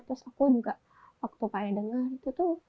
terus aku juga waktu pak edna itu tuh